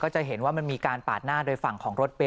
จะเห็นว่ามันมีการปาดหน้าโดยฝั่งของรถเมย